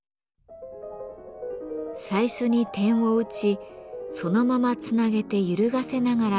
最初に点を打ちそのままつなげて揺るがせながら下へと下ろします。